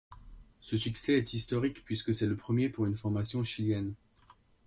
Ce succès est historique puisque c'est le premier pour une formation chilienne.